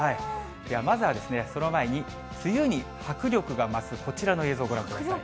まずは、その前に梅雨に迫力が増す、こちらの映像ご覧ください。